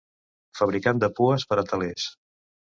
Fabricant de pues per a telers.